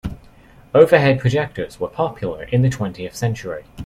Overhead projectors were popular in the twentieth century.